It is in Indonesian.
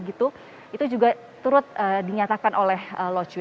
itu juga turut dinyatakan oleh locu